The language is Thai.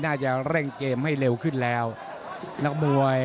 น่าจะเร่งเกมให้เร็วขึ้นแล้วนักมวย